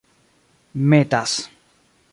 metas